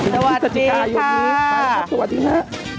สวัสดีค่ะสวัสดีค่ะ